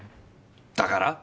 だから？